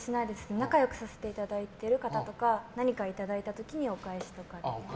仲良くさせていただいている方とか何かいただいた時にお返しとかで。